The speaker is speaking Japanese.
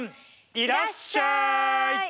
「いらっしゃい！」。